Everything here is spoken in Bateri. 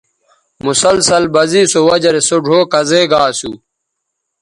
مسلسل بزے سو وجہ رے سو ڙھؤ کزے گا اسو